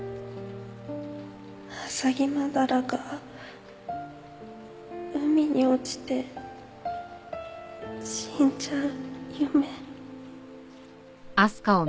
アサギマダラが海に落ちて死んじゃう夢。